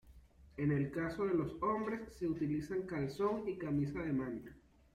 En el caso de los hombres se utilizan calzón y camisa de manta.